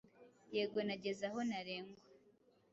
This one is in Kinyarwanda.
Yego, nageze aho ntarengwa